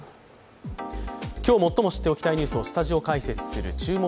今日最も知っておきたいニュースをスタジオ解説する「注目！